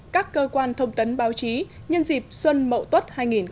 các cơ quan thông tấn báo chí nhân dịp xuân mậu tuất hai nghìn một mươi tám